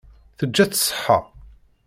Teǧǧa-tt ṣṣeḥḥa.